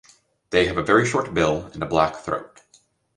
They have a very short bill and a black throat.